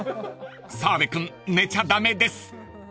［澤部君寝ちゃ駄目です］